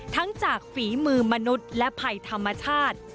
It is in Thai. ทั้งจากฝีมือมนุษย์และภัยธรรมชาติ